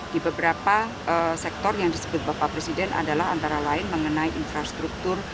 di beberapa sektor yang disebut bapak presiden adalah antara lain mengenai infrastruktur